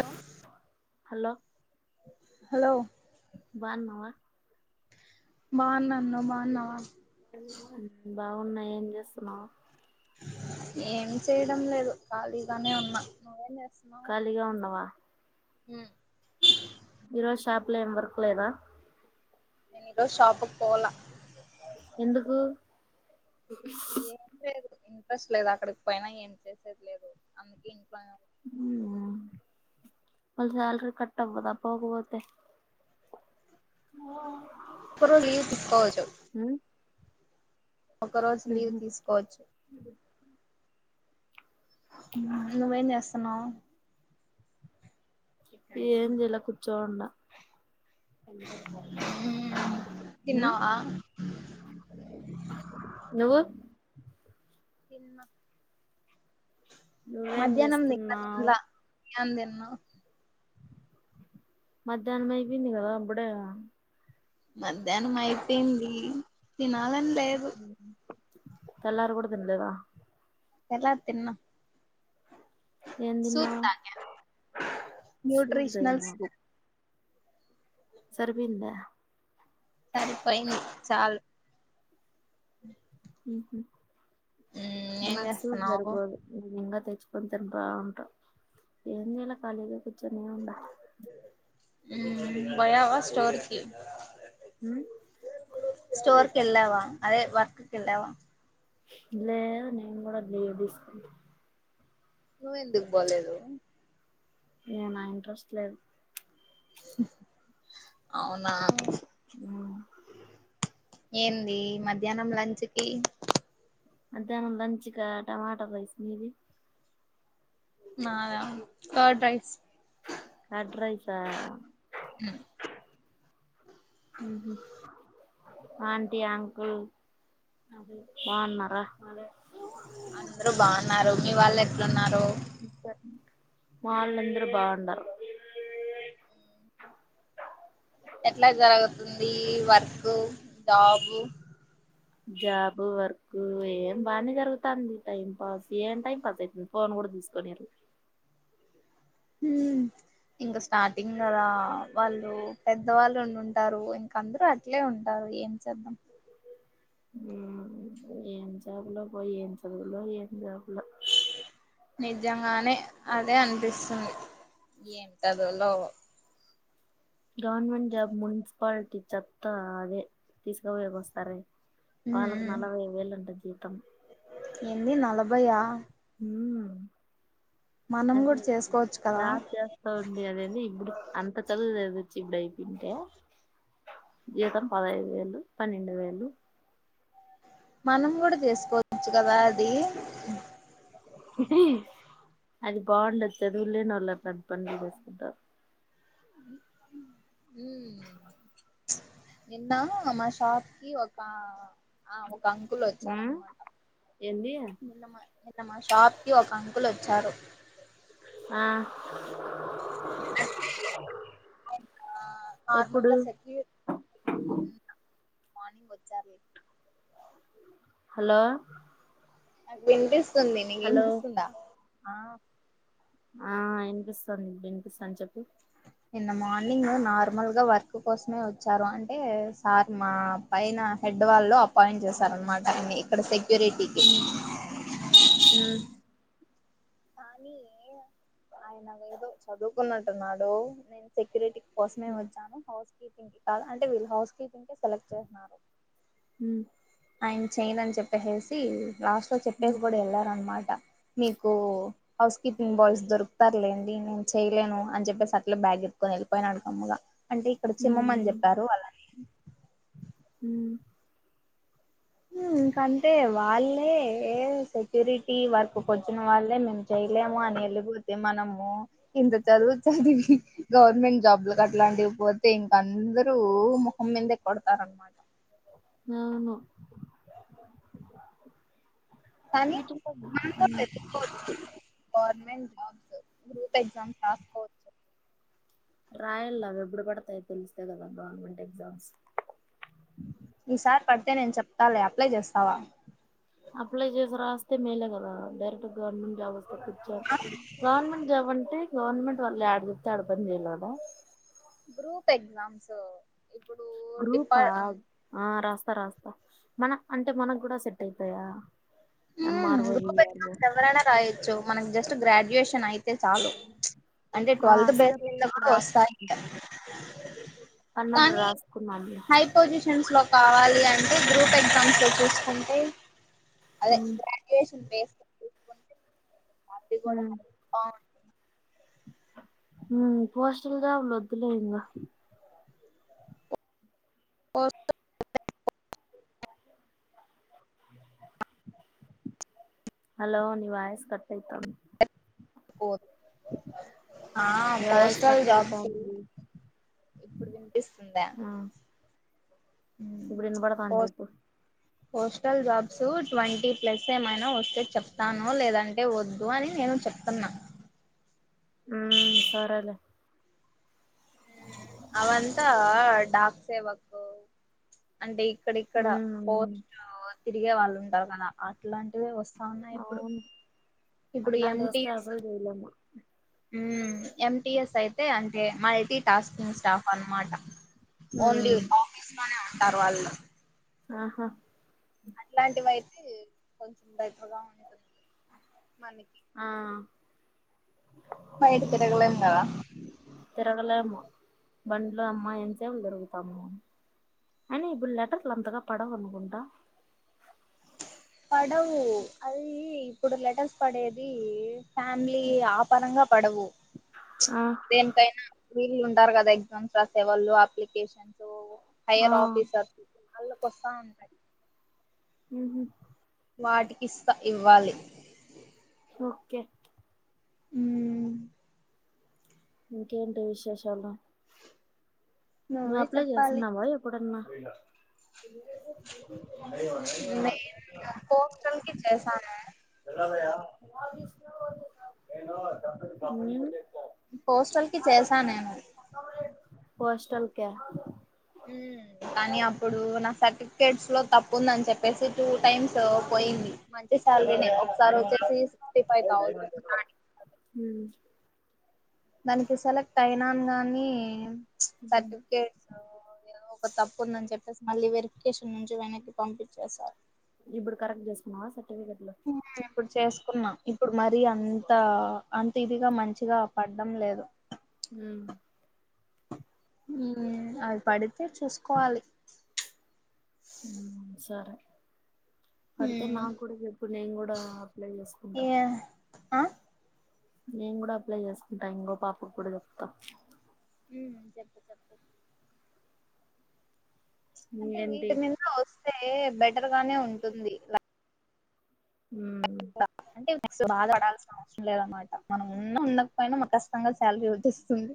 Hello hello hello బాగున్నావా బాగున్నాను నువ్వు బాగున్నావా బాగున్నాయి ఏం చేస్తున్నావ్ ఏం చేయడం లేదు ఖాళీగానే ఉన్నా నువ్వే ఏమ్ ఖాళీగా ఉన్నావా ఉం లెమ్ వర్క్ లేదా నేను ఈరోజు షాపుకి పోలా ఎందుకు ఏం లేదు ఇంట్రెస్ట్ లేదు అక్కడికి పోయినా ఏం చేసేది లేదు అందుకే ఇంట్లో నే అవునా వాళ సాలరీ కట్ అవ్వదా పోకపోతే ఒక్క రోజు లీవ్ తీసుకోవచ్చు మ్మ్? ఒక్క రోజు లీవ్ మ్హూ. తీసుకోవచ్చు నువ్వేం చేస్తున్నావు ఏం చేయలా కూర్చోని వున్న ఉం తిన్నావా నువ్వు తన్న నువ్వేం చేస్తున్నావు యాం తిన్నవ్ మధ్యాహనమ్ అయిపొయింది కదా అప్పుడే మధ్యాహ్నం అయిపోయింది తినాలని లేదు తెల్లారి కూడ తినలేదా తెల్లారి తిన్న ఏం సూప్ తిన్నావు తాగా సూప్ న్యూట్రిషనల్ సూప్ సరి పోయిందా సరిపోయింది చాలు హు హమ్ మ్మ్ ఏం నాకు సూప్ సరి చేస్తున్నావు పోదు తెచ్చుకొని తింటా వుంటా ఏం చేయాల ఖాళీగా ఉండి ఉం పోయావా స్టోర్ కి ఉమ్, స్టోర్ కి ఎల్లావా అదే వర్క్ కి వెళ్ళా వా లేదు నేను కూడా లీవ్ తీసుకు నువ్వు ఎందుకు బోలేదు ఏమో నా ఇంట్రెస్ట్ లేదు అవునా ఆ ఏంది మధ్యాహ్నం లంచ్కి మధ్యాహ్నం లంచిక టమాటా రైస్ మీది మాధా కర్డ్ రైస్ కర్డ్ రైసా హ హమ్ ఆంటీ అంకుల్ బాగున్నారా అందరు బాగున్నారు మీ వాళ్ళు ఏ ఇకా [inaudible] మా వాళ్లందరూ బాగున్నారు ఎట్లా జరుగుతుంది వర్క్ జాబు జాబ్ వర్క్ ఏం బానే జరుగుతుంది టైం పాస్ ఏం టైం పాస్ అయితుంది కూడా తీసుకొనియ్యరు ఉమ్మ్ ఇంక స్టార్టింగ్ కదా వాళ్ళు పెద్ద వాళ్ళు ఉండుంటారు ఇంక అందరుూ అట్లే ఉంటారు ఏం చేద్దాం ఉమ్మ్ ఏం జాబులో పో ఏం చదువులో ఏం జాబులో నిజంగానే అదే అనిపిస్తుంది ఏం చదువులో గవర్నమెంట్ జాబ్ మున్సిపాలిటీ చెత్తా అదే తీసుకుపోయేకి వస్తారే వాళ్ళకి ఉమ్ నలవే వేలంట జీతం ఏంది నలభైయా ఉమ్మ్ మనం అదే కూడా చేసుకోవచ్చు కదా జాబ్ చేస్తా ఉంది కదా అది ఇప్పుడు అంత చదువు చదివి చ్చి ఇప్పుడు అయ్పింటే జీతం పదహైదు వేలు పన్నెండు వేలు మనం కూడా చేసుకోవచ్చు కదా అది అది బాగుండది చదువులేనోల్లు అట్లాంటి పనులు చేసుకుంటారు ఉమ్ నిన్న మాషాప్‌కి ఒక ఆ ఒ క్క అంకులు ఉమ్ వచ్చారన్నమాట ఏంది నిన్నమా నిన్న మాషాప్‌కి ఒక అంకుల్ వచ్చారు ఆ ఎప్పుడు నార్మల్‌గా సక్కి మార్నింగ్ వచ్చారే హలో నాకు వినిపిస్తుంది నీకు హలో వినిపిస్తుందా ఆ వినిపిస్తాంది వినిపిస్తాంది చెప్పు నిన్న మార్నింగ్ నార్మల్గా వ ర్క్ కోసమే వచ్చారు అంటే సార్ మా పైన హెడ్ వాళ్ళు అపాయింట్ చే శారన్నమాట ఇంగ ఇక్కడ సెక్యూరిటీకి ఉమ్ ఉమ్ కానీ ఆయన ఏదో చదువుకున్నట్టున్నాడు నేను సెక్యూరిటీ కోసమే వచ్చాను హౌస్ కీపింగ్‌కి కాదు అంటే వీళ్ళు హౌస్ కీపింగ్ కే సెలెక్ట్ చేసినారు ఉమ్మ్ ఆయన చేయనని చెప్పేసేసి లాస్ట్లో చెప్పేసి కూడా వెళ్ళారనమాట మీకు హౌస్ కీపింగ్ బాయ్స్ దొరుకుతారులేండి నేను చేయలేను అని చెప్పేసి అట్లే బ్యాగ్ ఎత్తుకొని వెళ్ళిపోయినాడు కమ్మగా అంటే ఇక్కడ చిమ్మమని ఉమ్ చెప్పారు వాళ్లని ఉమ్మ్ హ్మ్ ఇంకంతే వాళ్ళే సెక్యూరి టీ వర్క్‌కి వచ్చిన వాళ్ళే మేము చెయలేము అని ఎళ్ళిపోతే మనము ఇంత చదువు చదివి గవర్నమెంట్ జాబ్లలకు అట్లాంటివి పోతే ఇంక అం దరూ మొహంమీందే కొడతారు అనమాట అవును కానీ వీటిల్లో నాకు ఉమ్ వెతుక్కోవచ్చు గర్మెంట్ జాబ్సు గ్రూప్ ఎగ్జామ్స్ రాస్కోవచ్చు రాయల్లా అవి ఎప్పుడు పడతాయో తెలుస్తే కదా గవర్నమెంట్ ఎగ్జామ్స్ ఈసారి పడితే నేను చెప్తాలే అప్లై చేస్తావా అప్లై చేసి రాస్తే మేలేకదా డైరెక్ట్ గవర్నమెంట్ జాబ్ వ కొట్టొచ్చు గవర్నమెంట్ జాబ్ అంటే గవర్నమెంట్ వాళ్ళు యడ చెప్తే అడ పని చేయాల కదా గ్రూప్ ఎగ్జామ్స్ ఇప్పుడు గ్రూపా డిపార్ ఆ రాస్తా రాస్తా మన అంటే మనకు కూడా సెట్ అయితాదా ఊ గ్రూప్ ఎక్జామ్స్ ఎవరైనా రాయచ్చు మన జస్ట్ గ్రాడ్యుయేషన్ అయి అయితే చాలు అంటే ఆ ట్వెల్త్ సరే బేస్ మీద కూడా వస్తాయి అన్నప్పుడు కానీ రాసుకున్నాను హై పొజిషన్స్ లో కావాలి అంటే గ్రూప్ ఎగ్జామ్స్ లో చూసుకుంటే అదే ఉమ్ గ్రాడ్యుయేషన్ బేస్ చూసుకుంటే అది కూడా ఆ ఉ పోస్టల్ జాబ్లు వద్దులే ఇంగ [inaudible] హలో ని వాయస్ కట్ అయితంది ఆ నీ వాయిస్ పోస్టల్ కట్ జాబ్ లు అయితాంది ఇప్పుడు వినిపిస్తుందా ఉమ్ ఇప్పుడు వినబడతాంది పోస్ చెప్పు పోస్టల్ జాబ్స్ ట్వంటీ ప్లస్ ఏమైనా వస్తే చెప్తాను లేదంటే వద్దు అని నేను చెప్తున్నా ఉ సరేలే అవంతా డాక్ సేవకు అంటే ఇక్కడిక్కడ ఉమ్ ఉమ్ పోస్ట్ తిరిగే వాళ్ళు ఉంటారు కదా అట్లాంటివి వస్త అవున ఇప్పుడు అవును ఇప్పుడు ఎమ్ అట్లాంటివి టి వస్తే స్ అసలు చేయలేము ఎమ్టిఎస్ అయితే అంటే మల్టీ టాస్కింగ్ స్టాఫ్ అనమాట ఓన్లీ ఉమ్ ఆఫీస్ లోనే ఉంటారు వాళ్ళు ఆహా అట్లాంటివి అయితే కొంచెం బెటర్ గా ఉంటుంది మనకి ఆ బయట తిరగలేం కదా తిరగలేము బండ్లో అమ్మా ఎంతసేపు తిరుగుతాము అయిన ఇప్పుడు లెటర్లు అంతగా పడవు అనుకుంటా పడవు అది ఇప్పుడు లెటర్స్ పడేది ఫ్యామిలీ ఆపరంగా పడవు ఆ దేనికైనా వీళ్ళు ఉంటారు కదా ఎగ్జామ్స్ రాసేవాళ్ళు అప్లికేషన్స్ ఆ హైయర్ ఆఫీసర్స్ వాళ్ళకు వస్తా ఉంటయి ఉహు వాటికి ఇస్తా ఇవ్వాలి ఓకే ఉ మ్మ్ ఇంకేంటి విశేషాలు నువ్వు నువ్వే అప్లై చెప్పాలి చేసినవా ఎప్పుడున్నా మే పోస్టల్ కి చేశాను తెలో ఉ పోస్టల్ కి చేశా నేను పోస్టల్ క్యా ఉ కానీ అప్పుడు నా సర్టిఫికేట్స్ లో తప్పు ఉందని చెప్పేసి చూ టైమ్స్ సో పోయింది మంచి సాలరీనే ఒకసారి వచ్చేసి సిక్స్టీ ఫైవ్ థౌసండ్ ఉ దానికి సెలెక్ట్ అయినాను గాని సర్టిఫికేట్ ఏవో తప్పు ఉందని చెప్పేసి మళ్ళీ వెరిఫికేషన్ నుంచి వెనక్కి పంపించేస్తారు. ఇప్పుడు కరెక్ట్ చేస్తున్నావా అసలు. ఓకే ఇప్పుడు చేసుకున్నాం. ఇప్పుడు మరి అంత అంత ఇదిగా మంచిగా పడ్డం లేదు. ఉమ్. ఉమ్ అది పడితే చూసుకోవాలి. ఉమ్ సరే. పడితే మ్మ్ నాకు కూడా చెప్పు నేను కూడా అప్లై చేసుకుంటా. ఆహ్. నేను కూడా అప్లై చేసుకుంటా ఇంకో పాపకు కూడా చెప్తా. ఉమ్ చెప్పు చెప్పు. అంటే ఏంటి వీటి మీద వస్తే బెటర్ గానే ఉంటుంది. ఉమ్. అంటే నెక్స్ట్ బాధ పడాల్సిన అవసరం లేదనమాట మనం ఉన్న ఉండకపోయినా కష్ట. కచ్చితంగా శాలరీ వచ్చేస్తుంది.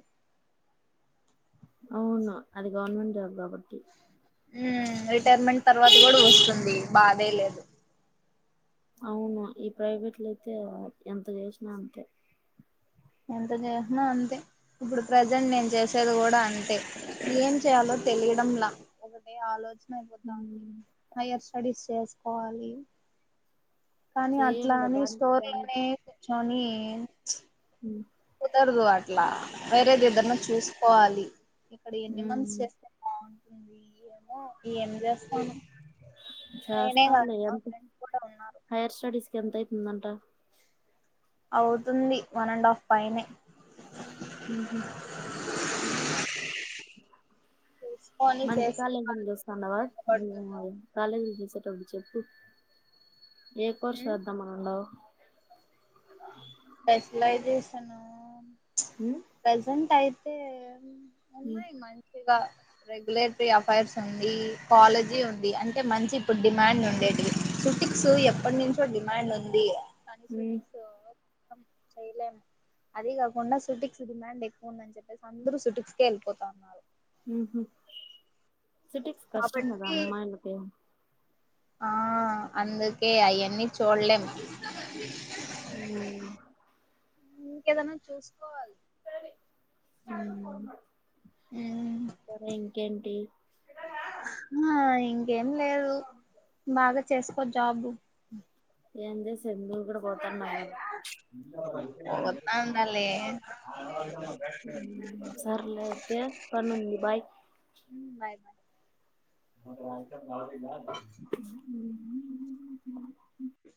అవును అది గవర్నమెంట్ జాబ్ కాబట్టి. ఉమ్ రిటైర్మెంట్ తర్వాత కూడా వస్తుంది బాదే లేదు. అవును ఈ ప్రైవేట్లో అయితే ఎంత చేసినా అంతే. ఎంత చేసిన అంతే ఇప్పుడు ప్రజెంట్ నేను చేసేది కూడా అం. అంతే ఏం చేయాలో తెలియడంలే ఒకటే ఆలోచన. అయిపోతాంది హైయర్ స్టడీస్ చేసుకోవాలి. కానీ చేయాల అట్లాని దానికి స్టోరీ దానికి లోనే కూర్చొని ప్చ్. కుదరదు అట్లా వేరేది ఏదైనా చూసుకోవాలి. ఇక్కడ ఎన్ని మంత్స్ చేస్తే బాగుంటుంది ఏమో ఏమి చేస్తాము. చేస్తాములే ఎంత కూడా ఉన్నారు హయర్ స్టడీస్. ఎంతైతుందంట. అవుతుంది వన్ అండ్ హాఫ్ పైనే. ఉహూ. చూసుకొని మంచి కాలేజ్ చేసుకోవాలి నుంచి వస్తా అన్నావు కదా ఎంత పడుతుందో [unintelligible] కాలేజ్ నుంచి. ఆహ్ చెప్పు ఏ కోర్స్ చేద్దాం అని అన్నావ్. స్పెషలైజేషన్ ప్చ్ ఉమ్ ప్రెసెంట్ అయితే. ఉన్నాయి మంచిగా. రెగ్యులేటరీ అఫైర్స్ ఉండి కాలేజీ ఉండి అంటే మంచి ఇప్పుడు డిమాండ్ ఉండేటివి. సో ఎప్పటి నుంచో డిమాండ్ ఉంది ఉమ్ కానీటిక్స్స్. చెయ్యలేను అది కాకుండా సూటిక్స్ డిమాండ్ ఎక్కువ ఉందని చెప్పి. అందరు సుటిక్స్కే వెళ్ళిపోతా ఉన్నారు. ఉహూ సిటిక్స్ కష్టం కదా అమ్మాయిలకు. ఆహ్ అందుకే అయన్నీ చూడలేము. ఉమ్. ఇంకేదైనా చూస్. ఉమ్. సరే ఇంకేంటి. ఏం లేదు బాగా చేసుకో జాబు. ఏం చేస్. చందు కూడా పోతున్నాడు ఇగ పోగొత్తా ఉండాలే ప్చ్. సర్లేయితే పనుంది బాయ్ ఉ బాయ్ బాయ్ మ రాయస కావత కా అ